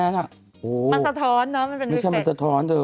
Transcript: มันสะท้อนนะมันเป็นวิเศกน่ะโอ้โฮไม่ใช่มันสะท้อน